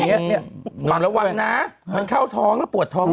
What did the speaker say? ระวังนะมันเข้าท้องแล้วปวดท้อง